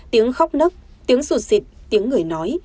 tiếng khóc nấc tiếng sụt xịt tiếng người nói